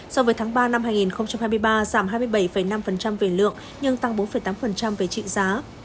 so với tháng ba năm hai nghìn hai mươi ba giảm hai mươi bảy năm về lượng nhưng tăng bốn tám về trị giá